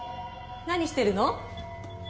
何してるの？